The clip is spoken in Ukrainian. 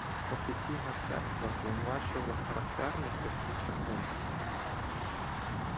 Офіційна церква звинувачувала характерників у чаклунстві.